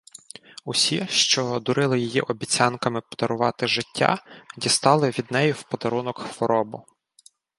Усі, що дурили її обіцянками подарувати життя, дістали від неї в подарунок хворобу.